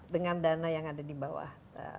dengan dana yang ada di bawah